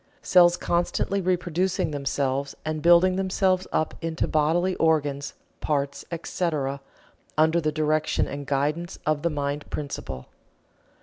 Cells constantly reproducing themselves and building themselves up into bodily organs, parts, etc., under the direction and guidance of the mind principle.